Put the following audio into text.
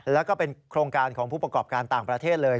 แล้วก็เป็นโครงการของผู้ประกอบการต่างประเทศเลย